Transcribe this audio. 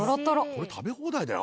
これ食べ放題だよ